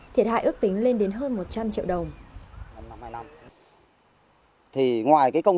thiệt hại ước tính lên đến hơn một trăm linh triệu đồng